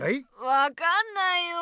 分かんないよ。